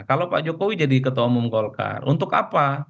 kalau pak jokowi jadi ketua umum golkar untuk apa